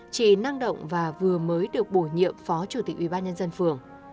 chỉ năng động và vừa mới được bổ nhiệm phó chủ tịch ubnd phường